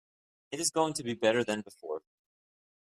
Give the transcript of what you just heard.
It is going to be better than before.